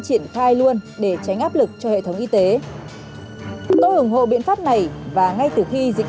triển khai luôn để tránh áp lực cho hệ thống y tế chúng tôi ủng hộ biện pháp này và ngay từ khi dịch